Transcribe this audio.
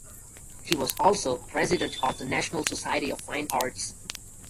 He was also president of the National Society of Fine Arts.